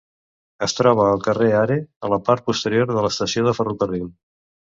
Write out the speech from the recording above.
Es troba al carrer Hare, a la part posterior de l'estació de ferrocarril.